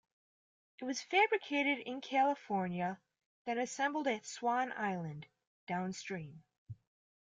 It was fabricated in California then assembled at Swan Island, downstream.